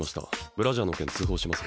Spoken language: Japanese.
ブラジャーの件通報します